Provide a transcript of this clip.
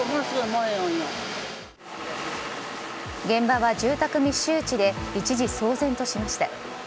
現場は住宅密集地で一時、騒然としました。